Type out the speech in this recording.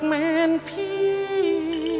หลังเที่ยว